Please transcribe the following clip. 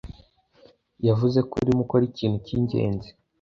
yavuze ko urimo ukora ikintu cyingenzi.